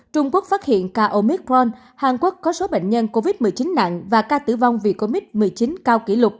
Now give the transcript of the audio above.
trung quốc phát hiện ca omicron hàn quốc có số bệnh nhân covid một mươi chín nặng và ca tử vong vì covid một mươi chín cao kỷ lục